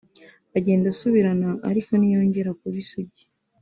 agenda asubirana ariko ntiyongera kuba isugi